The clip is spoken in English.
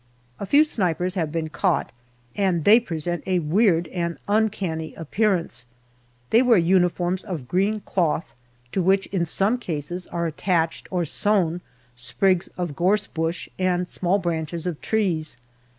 A few snipers have been caught, and they present a weird and uncanny appearance. They wear uniforms of green cloth, to which in some cases are attached or sewn sprigs of gorse bush and small branches of trees.